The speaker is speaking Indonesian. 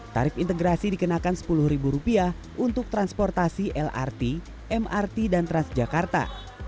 tarif integrasi dikenakan rp sepuluh untuk transportasi lrt mrt dan transjakarta